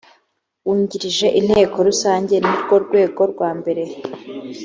wungirije inteko rusange nirwo rwego rwambere